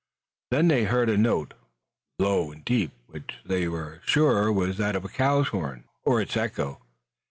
Then they heard a note, low and deep, which they were sure was that of the cow's horn, or its echo.